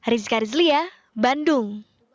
rizka rizlia bandung